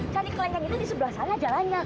cari kelenteng itu di sebelah sana jalannya